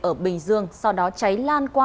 ở bình dương sau đó cháy lan qua